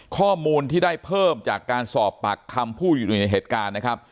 ข้อมูลที่ได้เพิ่มจากการสอบปากคำผู้อยู่ในเหตุการณ์นะครับ